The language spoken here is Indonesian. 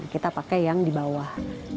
kita pakai yang di bawah